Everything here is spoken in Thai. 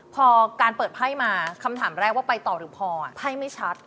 พอการเปิดไพ่มาคำถามแรกว่าไปต่อหรือพอไพ่ไม่ชัด